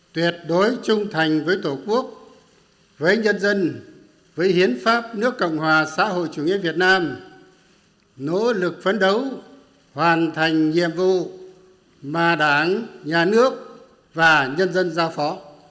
tuyệt đối trung thành với tổ quốc với nhân dân với hiến pháp nước cộng hòa xã hội chủ nghĩa việt nam nỗ lực phấn đấu hoàn thành nhiệm vụ mà đảng nhà nước và nhân dân giao phó